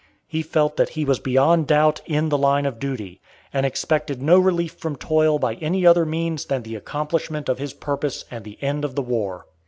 He felt that he was beyond doubt in the line of duty, and expected no relief from toil by any other means than the accomplishment of his purpose and the end of the war.